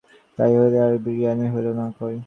তা হইলে আর বিবিয়ানা হইল কই।